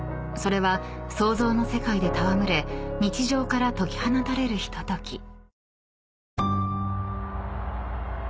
［それは想像の世界で戯れ日常から解き放たれるひととき］